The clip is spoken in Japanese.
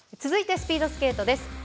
続いてスピードスケートです。